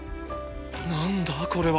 何だこれは？